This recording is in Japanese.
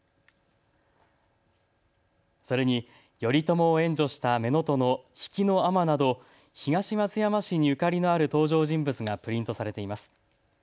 それに頼朝を援助しためのとの比企の尼など東松山市にゆかりのある登場人物がプリントされています。